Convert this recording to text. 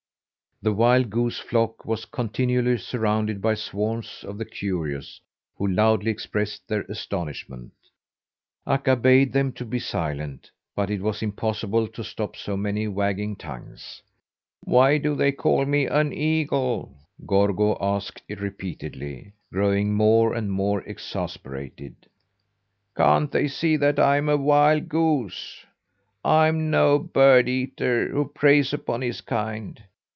The wild goose flock was continually surrounded by swarms of the curious who loudly expressed their astonishment. Akka bade them be silent, but it was impossible to stop so many wagging tongues. "Why do they call me an eagle?" Gorgo asked repeatedly, growing more and more exasperated. "Can't they see that I'm a wild goose? I'm no bird eater who preys upon his kind.